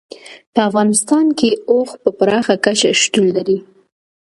په افغانستان کې اوښ په پراخه کچه شتون لري.